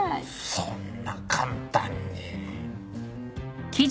そんな簡単に。